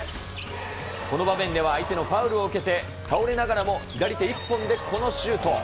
この場面では相手のファウルを受けて、倒れながらも左手一本でこのシュート。